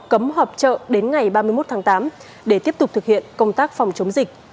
cấm họp chợ đến ngày ba mươi một tháng tám để tiếp tục thực hiện công tác phòng chống dịch